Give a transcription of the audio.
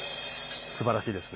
すばらしいですね。